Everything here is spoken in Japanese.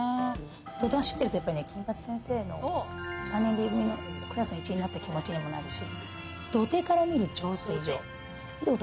走ってると、金八先生の３年Ｂ組のクラスの一員になった気持ちもするし。